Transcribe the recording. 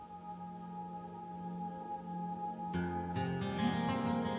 えっ？